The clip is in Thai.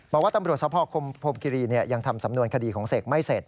บอกว่าตำรวจสภคพรมคิรียังทำสำนวนคดีของเสกไม่เสร็จ